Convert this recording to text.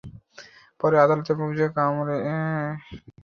পরে আদালত অভিযোগ আমলে নিয়ে আবদুল মান্নান রানার বিরুদ্ধে সমন জারি করেন।